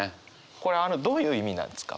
これどういう意味なんですか？